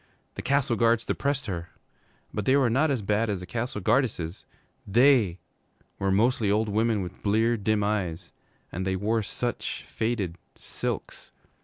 The Castle Guards depressed her. But they were not as bad as the Castle Guardesses. They were mostly old women with bleared, dim eyes, and they wore such faded silks.